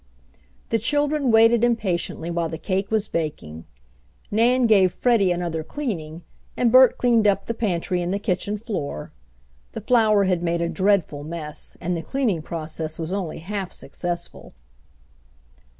The children waited impatiently while the cake was baking. Nan gave Freddie another cleaning, and Bert cleaned up the pantry and the kitchen floor. The flour had made a dreadful mess and the cleaning process was only half successful.